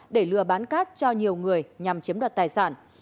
để lừa bán cát cho nhiều người nhằm chiếm đoạt tài sản